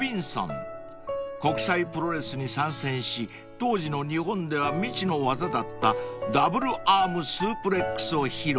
［国際プロレスに参戦し当時の日本では未知の技だったダブルアーム・スープレックスを披露］